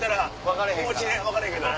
分かれへんけど。